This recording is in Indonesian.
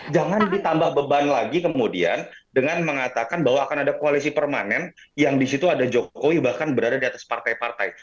jangan ditambah beban lagi kemudian dengan mengatakan bahwa akan ada koalisi permanen yang disitu ada jokowi bahkan berada di atas partai partai